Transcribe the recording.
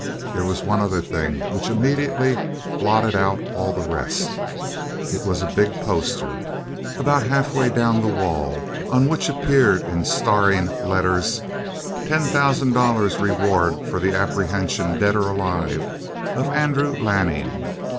There was one other thing which immediately blotted out all the rest; it was a big poster, about halfway down the wall, on which appeared in staring letters: "Ten thousand dollars reward for the apprehension, dead or alive, of Andrew Lanning."